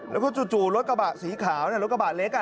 แล้วก็จู่รถกระบะสีขาวรถกระบะเล็ก